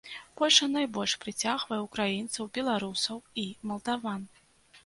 Польшча найбольш прыцягвае ўкраінцаў, беларусаў і малдаван.